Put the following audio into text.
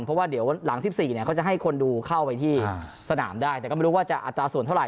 เพราะว่าเดี๋ยวหลัง๑๔เนี่ยเขาจะให้คนดูเข้าไปที่สนามได้แต่ก็ไม่รู้ว่าจะอัตราส่วนเท่าไ